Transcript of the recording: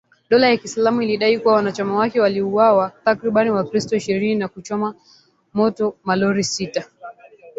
Dola ya kiislamu ilidai kuwa wanachama wake waliwauwa takribani wakristo ishirini na kuchoma moto malori sita